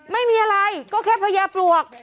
ไม่มีอะไรก็แค่พญาปลวก